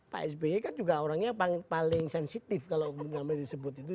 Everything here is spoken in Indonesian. pak sby kan juga orangnya paling sensitif kalau namanya disebut itu